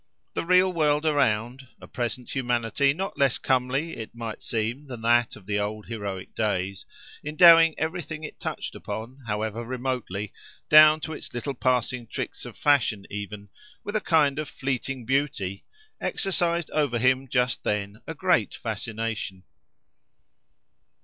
The real world around—a present humanity not less comely, it might seem, than that of the old heroic days—endowing everything it touched upon, however remotely, down to its little passing tricks of fashion even, with a kind of fleeting beauty, exercised over him just then a great fascination.